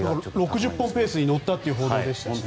６０本ペースに乗ったという報道でした。